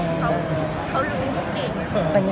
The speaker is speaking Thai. หรือว่ามันเป็นอยู่กันชีวิตเดียวกันหนึ่งนะ